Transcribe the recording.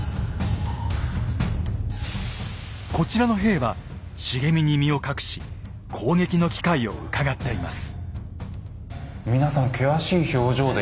こちらの兵は茂みに身を隠し攻撃の機会をうかがっています。